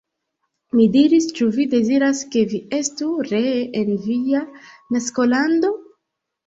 Mi diris, Ĉu vi deziras, ke vi estu ree en via naskolando?